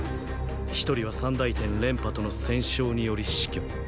一人は三大天廉頗との戦傷により死去。